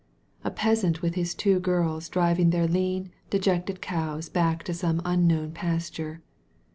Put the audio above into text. A peasant with his two girls driving their lean, dejected cows back to some unknown pasture.